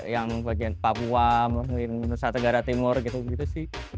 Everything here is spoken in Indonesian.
yang bagian papua indonesia tenggara timur gitu sih